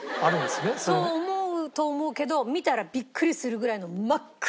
そう思うと思うけど見たらビックリするぐらいの。